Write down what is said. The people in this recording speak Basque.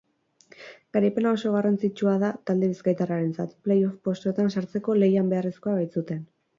Garaipena oso garrantzitsua da talde bizkaitarrarentzat, playoff postuetan sartzeko lehian beharrezkoa baitzuten.